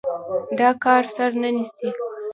دا کار سر نه نيسي.